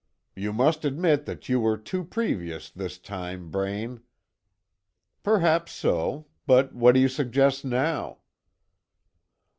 You must admit that you were too previous this time, Braine." "Perhaps so. But what do you suggest now?"